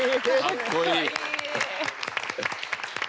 かっこいい。